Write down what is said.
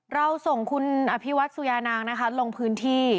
เราส่งคุณอภิวัตสุยานางนะคะลงพื้นที่